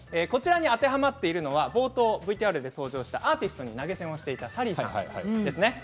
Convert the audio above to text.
こちらに当てはまってるのは冒頭のＶＴＲで登場したアーティストに投げ銭をしているサリーさんです。